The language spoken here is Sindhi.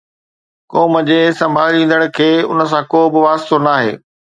قوم جي سنڀاليندڙ کي ان سان ڪو به واسطو ناهي